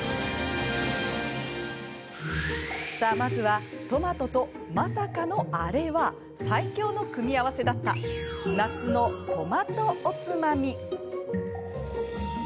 さあ、まずはトマトとまさかのあれは最強の組み合わせだった夏のトマトおつまみ。